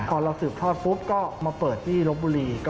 พอเราสืบทอดปุ๊บก็มาเปิดที่ลบบุรี